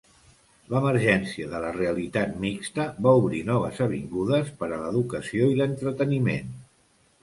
L'emergència de la realitat mixta va obrir noves avingudes per a l'educació i l'entreteniment.